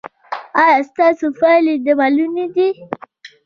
ایا ستاسو پایلې د منلو دي؟